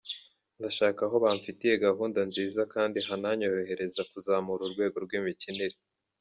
Ndashaka aho bamfitiye gahunda nziza kandi hananyorohereza kuzamura urwego rw’imikinire.